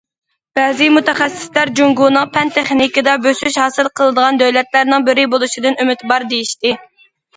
بەزى مۇتەخەسسىسلەر: جۇڭگونىڭ پەن- تېخنىكىدا بۆسۈش ھاسىل قىلىدىغان دۆلەتلەرنىڭ بىرى بولۇشىدىن ئۈمىد بار، دېيىشتى.